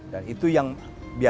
dan itu yang biasa kita lihat